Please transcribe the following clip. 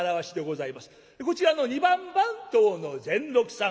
こちらの二番番頭の善六さん。